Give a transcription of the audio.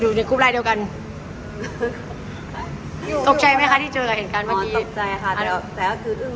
ต่อไปได้ต่างจากของเรา